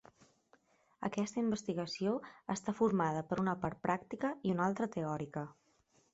Aquesta investigació està formada per una part pràctica i una altra teòrica.